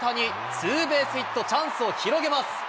ツーベースヒット、チャンスを広げます。